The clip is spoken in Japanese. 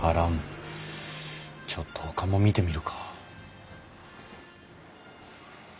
ちょっとほかも見てみるか。